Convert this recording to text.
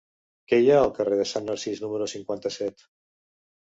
Què hi ha al carrer de Sant Narcís número cinquanta-set?